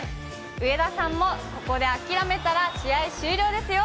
上田さんもここで諦めたら試合終了ですよ。